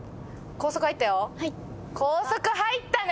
高速入ったね！